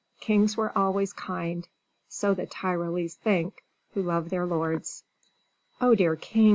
Kings were always kind; so the Tyrolese think, who love their lords. "Oh, dear king!"